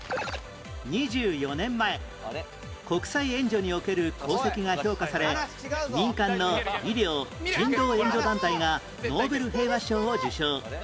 ２４年前国際援助における功績が評価され民間の医療・人道援助団体がノーベル平和賞を受賞